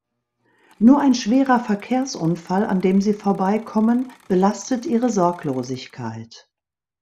Nur ein schwerer Verkehrsunfall, an dem sie vorbeikommen, belastet ihre Sorglosigkeit.